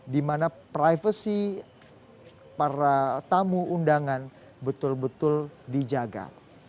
di mana privasi para tamu undangan betul betul dijaga